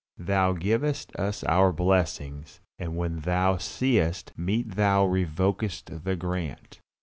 Thou givest us our blessings; and when Thou seest meet Thou revokest the grant.